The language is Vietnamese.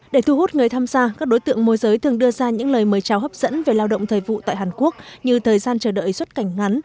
để thu hút người tham gia các đối tượng môi giới thường đưa ra những lời mời chào hấp dẫn về lao động thời vụ tại hàn quốc như thời gian chờ đợi xuất cảnh ngắn